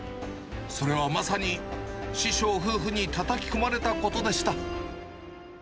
それはまさに、師匠夫婦にたたき込まれたことでした。